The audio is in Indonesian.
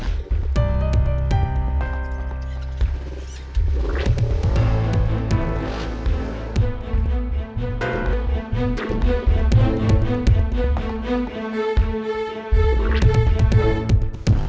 gue bisa cari orang lain yang gak sepuluh cut seperti kalian